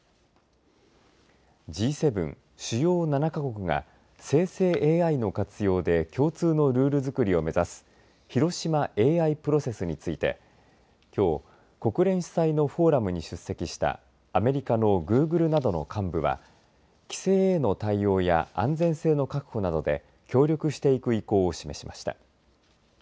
Ｇ７、主要７か国が生成ＡＩの活用で共通のルール作りを目指す広島ＡＩプロセスについてきょう、国連主催のフォーラムに出席したアメリカのグーグルなどの幹部は規制への対応や安全性の確保などで協力していく意向を示しました。